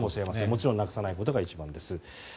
もちろん、なくさないことが一番です。